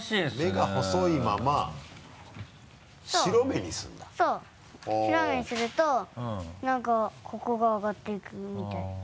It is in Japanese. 白目にするとなんかここが上がっていくみたいな。